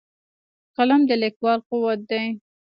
قلم د لیکوال قوت دی